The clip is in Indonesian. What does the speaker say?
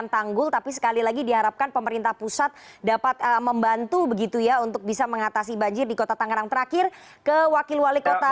tanggul tapi sekali lagi diharapkan pemerintah pusat dapat membantu begitu ya untuk bisa mengatasi banjir di kota tangerang terakhir ke wakil wali kota